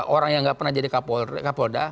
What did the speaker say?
orang yang gak pernah jadi kapolda